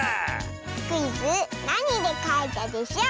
クイズ「なにでかいたでショー」